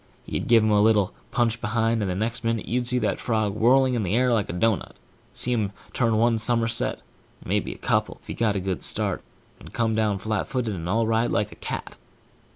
He'd give him a little punch behind, and the next minute you'd see that frog whirling in the air like a doughnut&#8212see him turn one summerset, or may be a couple, if he got a good start, and come down flatfooted and all right, like a cat.